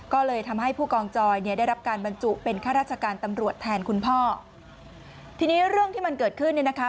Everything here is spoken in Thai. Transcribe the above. ก็เลยทำให้ผู้กองจอยเนี่ยได้รับการบรรจุเป็นข้าราชการตำรวจแทนคุณพ่อทีนี้เรื่องที่มันเกิดขึ้นเนี่ยนะคะ